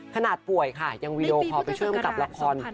ขนาดป่วยค่ะยังวีดีโอคอลไปช่วยกับละคร